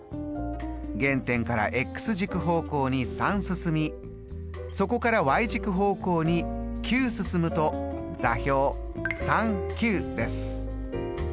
原点から軸方向に３進みそこから軸方向に９進むと座標です。